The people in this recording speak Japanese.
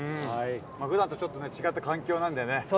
ふだんとちょっとね、違った環境なんでね。